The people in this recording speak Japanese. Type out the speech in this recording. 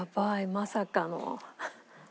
まさかの。